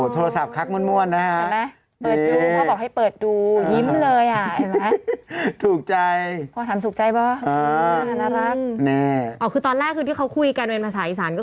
ถ้าเป็นพี่เช้าเค้าคงขับรถหนีไปแล้ว